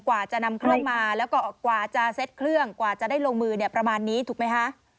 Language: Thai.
กว่าจะนำเครื่องมาแล้วก็กว่าจะเซ็ตเครื่องกว่าจะได้ลงมือเนี่ยประมาณนี้ถูกไหมคะ